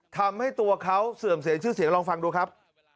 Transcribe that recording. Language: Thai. ทำให้ตัวเขาเสื่อมเสียชื่อเสียงลองฟังดูครับ